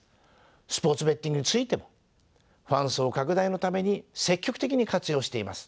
スポーツベッティングについてもファン層拡大のために積極的に活用しています。